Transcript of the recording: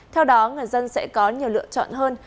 theo đó người dân sẽ có nhiều lựa chọn hơn